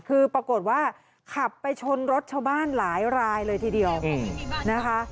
คือปรากฏว่าขับไปชนรถชาวบ้านหลายรายเลยทีเดียวนะคะ